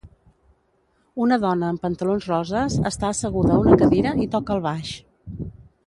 Una dona amb pantalons roses està asseguda a una cadira i toca el baix